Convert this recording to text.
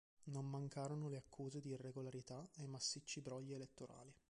Non mancarono le accuse di irregolarità e massicci brogli elettorali.